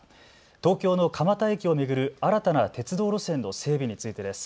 東京の蒲田駅を巡る新たな鉄道路線の整備についてです。